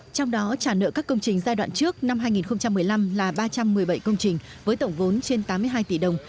trong đó trả nợ các công trình giai đoạn trước năm hai nghìn một mươi năm là ba trăm một mươi bảy công trình với tổng vốn trên tám mươi hai tỷ đồng